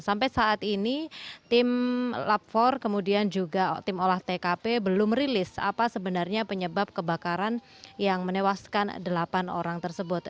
sampai saat ini tim lab empat kemudian juga tim olah tkp belum rilis apa sebenarnya penyebab kebakaran yang menewaskan delapan orang tersebut